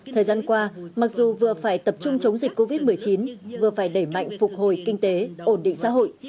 thời gian qua mặc dù vừa phải tập trung chống dịch covid một mươi chín vừa phải đẩy mạnh phục hồi kinh tế ổn định xã hội